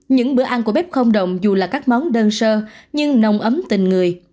những bữa ăn của bếp không đồng dù là các món đơn sơ nhưng nồng ấm tình người